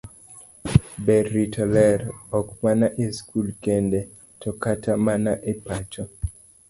Ber rito ler, ok mana e skul kende, to kata mana e pacho.